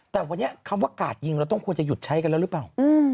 แต่วันนี้คำว่ากาดยิงเราต้องควรจะหยุดใช้กันแล้วหรือเปล่า